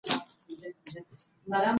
موږ هم باید پر ځان باور ولرو.